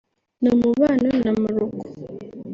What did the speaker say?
ni umubano na Morocco